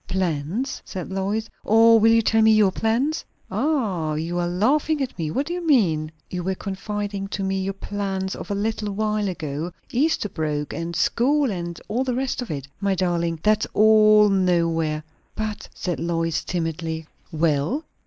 "Plans!" said Lois. "Or will you tell me your plans?" "Ah, you are laughing at me! What do you mean?" "You were confiding to me your plans of a little while ago; Esterbrooke, and school, and all the rest of it. My darling! that's all nowhere." "But," said Lois timidly. "Well?"